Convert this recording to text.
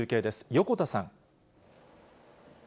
横田さん。